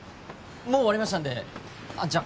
もう終わりましたんでじゃ